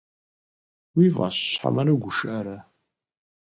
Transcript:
Уи фӏэщ хьэмэрэ угушыӏэрэ?